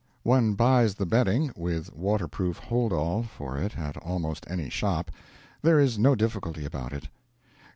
One buys the bedding, with waterproof hold all for it at almost any shop there is no difficulty about it.